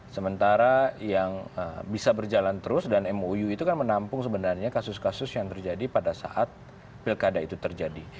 sementara yang bisa berjalan terus dan mou itu kan menampung sebenarnya kasus kasus yang terjadi pada saat pilkada itu terjadi